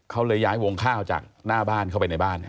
เขาเลยย้ายวงข้าวจากหน้าบ้านเข้าไปในบ้าน